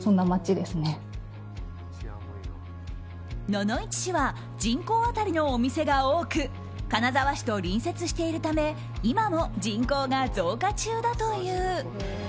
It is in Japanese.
野々市市は人口当たりのお店が多く金沢市と隣接しているため今も人口が増加中だという。